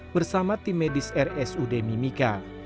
bersama tim medis rsud mimika